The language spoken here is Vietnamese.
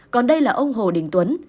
còn đây là ông hồ đình tuấn